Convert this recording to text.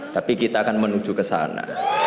tapi kita akan menuju ke sana